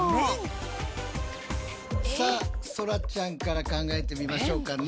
さあそらちゃんから考えてみましょうかね。